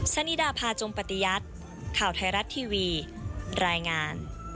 สนิดาพาจงปฏิยัติข่าวไทยรัฐทีวีรายงาน